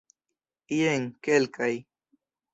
Jen kelkaj.